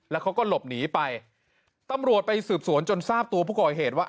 แล้วเขาก็หลบหนีไปตำรวจไปสืบสวนจนทราบตัวผู้ก่อเหตุว่า